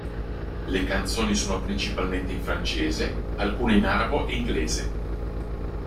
Le canzoni sono principalmente in francese, alcune in arabo e inglese.